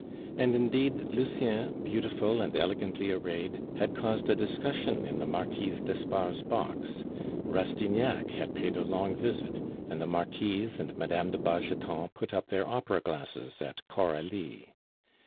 And indeed Lucien, beautiful and elegantly arrayed, had caused a discussion in the Marquise d'Espard's box; Rastignac had paid a long visit, and the Marquise and Mme. de Bargeton put up their opera glasses at Coralie.